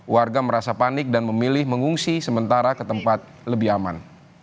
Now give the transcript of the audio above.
warga merasa panik dan memilih mengungsi sementara ke tempat lebih aman